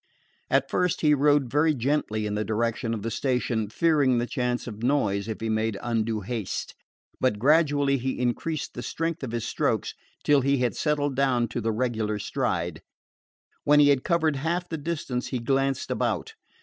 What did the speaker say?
At first he rowed very gently in the direction of the station, fearing the chance of noise if he made undue haste. But gradually he increased the strength of his strokes till he had settled down to the regular stride. When he had covered half the distance he glanced about.